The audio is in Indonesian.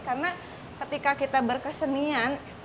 karena ketika kita berkesenian